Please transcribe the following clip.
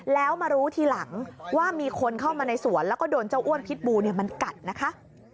แล้วมารู้ทีหลังว่ามีคนเข้ามาในสวนแล้วก็โดนเจ้าอ้วนพิษบูมันกัดนะคะ